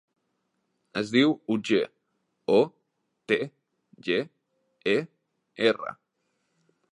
Es diu Otger: o, te, ge, e, erra.